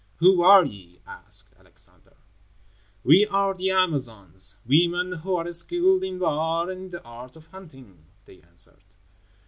"Who are ye?" asked Alexander. "We are the Amazons, women who are skilled in war and in the art of hunting," they answered.